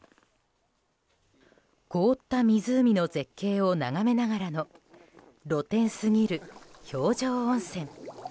凍った湖の絶景を眺めながらの露天すぎる氷上温泉。